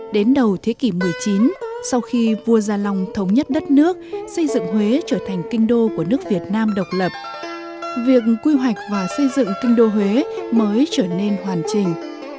đến đầu thế kỷ một mươi chín sau khi vua gia long thống nhất đất nước xây dựng huế trở thành kinh đô của nước việt nam độc lập việc quy hoạch và xây dựng kinh đô huế mới trở nên hoàn chỉnh